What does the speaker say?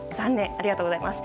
ありがとうございます。